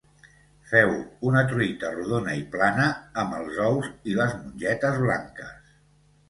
Feu una truita rodona i plana amb els ous i les mongetes blanques